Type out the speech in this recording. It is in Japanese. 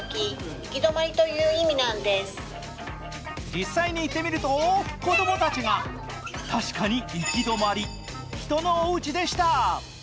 実際に行ってみると子供たちが確かに行き止まり、人のおうちでした。